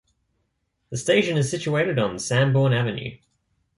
The station is situated on Sanborn Avenue.